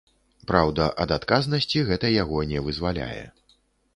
Праўда, ад адказнасці гэта яго не вызваляе.